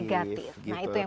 nah itu yang perlu dihindari ya